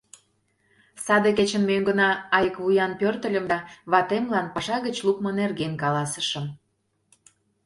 Саде кечын мӧҥгына айык вуян пӧртыльым да ватемлан паша гыч лукмо нерген каласышым.